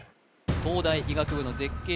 東大医学部の絶景